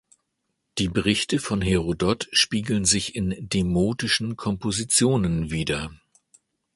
Die Berichte von Herodot spiegeln sich in demotischen Kompositionen wider.